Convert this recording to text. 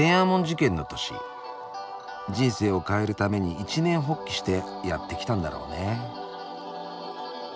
人生を変えるために一念発起してやってきたんだろうね。